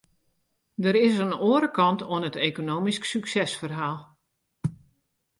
Der is in oare kant oan it ekonomysk suksesferhaal.